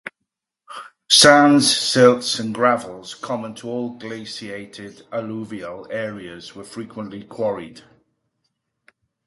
Sands, silts and gravels, common to all glaciated alluvial areas were frequently quarried.